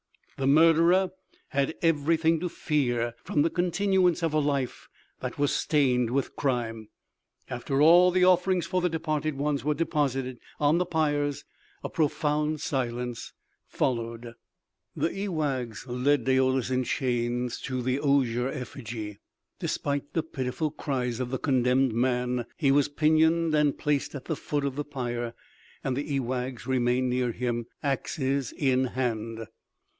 The murderer had everything to fear from the continuance of a life that was stained with crime. After all the offerings for the departed ones were deposited on the pyres, a profound silence followed. The ewaghs led Daoulas in chains to the osier effigy. Despite the pitiful cries of the condemned man, he was pinioned and placed at the foot of the pyre, and the ewaghs remained near him, axes in hand.